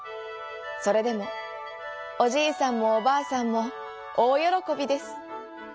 それでもおじいさんもおばあさんもおおよろこびです。